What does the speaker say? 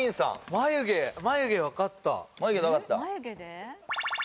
眉毛でわかった？